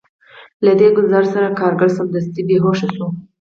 له دې ګزار سره کارګر سمدستي بې هوښه شو